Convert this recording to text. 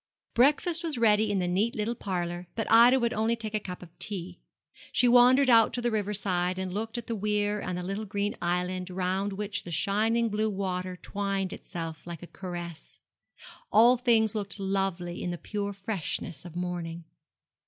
Breakfast was ready in the neat little parlour, but Ida would only take a cup of tea. She wandered out to the river side, and looked at the weir and the little green island round which the shining blue water twined itself like a caress. All things looked lovely in the pure freshness of morning.